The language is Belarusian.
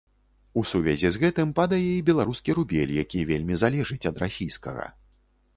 У сувязі з гэтым падае і беларускі рубель, які вельмі залежыць ад расійскага.